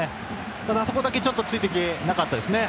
ただ、あそこだけちょっとついていけてなかったですね。